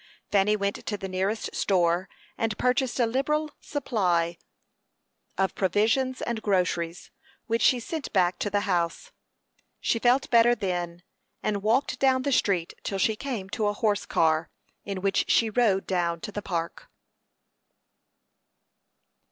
Fanny went to the nearest store, and purchased a liberal supply of provisions and groceries, which she sent back to the house. She felt better then, and walked down the street till she came to a horse car, in which she rode down to the Park.